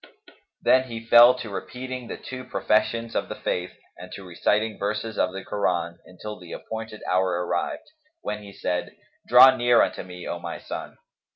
Then he fell to repeating the two professions of the Faith and to reciting verses of the Koran, until the appointed hour arrived, when he said, "Draw near unto me, O my son."